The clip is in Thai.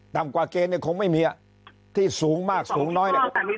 ต่ำกว่าเกณฑ์เนี่ยคงไม่มีที่สูงมากสูงน้อย